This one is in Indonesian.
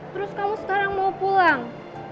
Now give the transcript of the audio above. terus kamu sekarang mau pulang